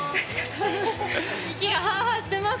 息が、はあはあしてます。